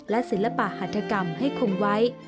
และศิลปะหัฐกรรมให้คงไว้